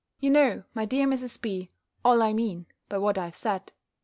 You know, my dear Mrs. B., all I mean, by what I have said.